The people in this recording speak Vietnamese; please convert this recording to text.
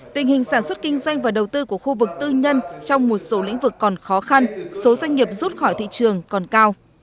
tình hình sản xuất kinh doanh và đầu tư của khu vực tư nhân trong một số lĩnh vực còn khó khăn số doanh nghiệp rút khỏi thị trường còn cao